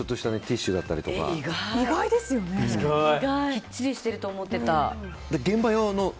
きっちりしてると思ってた。